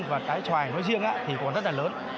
và trái xoài nói riêng thì còn rất là lớn